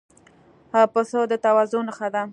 پسه د تواضع نښه ده.